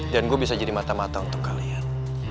dan gue bisa jadi mata mata untuk kalian